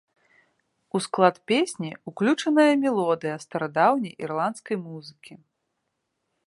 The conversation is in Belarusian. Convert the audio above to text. У склад песні ўключаная мелодыя старадаўняй ірландскай музыкі.